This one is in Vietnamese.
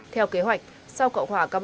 theo kế hoạch sau cộng hòa cabo verde